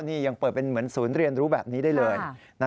นี่ยังเปิดเป็นเหมือนศูนย์เรียนรู้แบบนี้ได้เลย